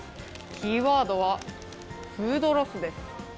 キーワードはフードロスです。